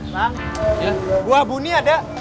bang buah buni ada